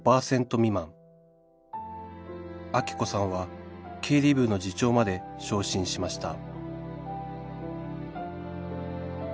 アキ子さんは経理部の次長まで昇進しました